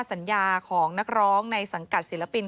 สัญญาของนักร้องในสังกัดศิลปิน